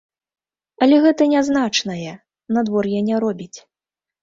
Але гэта нязначнае, надвор'я не робіць.